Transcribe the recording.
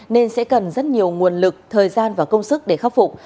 nên sẽ cần rất nhiều nguồn lực thời gian và công sức để khắc phục